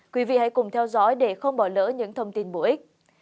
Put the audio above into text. quý vị hãy cùng theo dõi để không bỏ lỡ những thông tin bổ ích